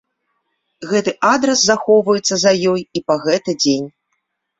Гэты адрас захоўваецца за ёй і па гэты дзень.